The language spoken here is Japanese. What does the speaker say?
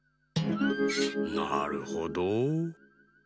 なるほど。